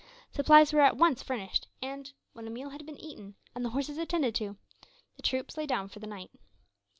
Supplies were at once furnished and, when a meal had been eaten and the horses attended to, the troops lay down for the night.